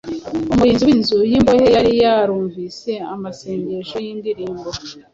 Umurinzi w’inzu y’imbohe yari yarumvise amasengesho n’indirimbo